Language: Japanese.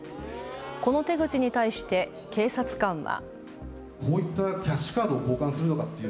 この手口に対して警察官は。